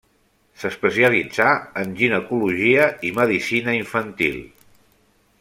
S'especialitzà en ginecologia i medicina infantil.